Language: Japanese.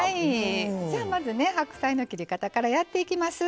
じゃあまずね白菜の切り方からやっていきます。